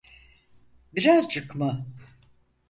Birazcık mı?